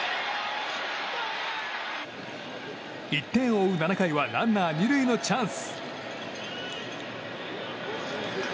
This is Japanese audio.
１点を追う７回はランナー２塁のチャンス。